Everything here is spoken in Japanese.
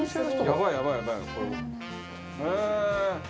やばいやばいやばいへえー！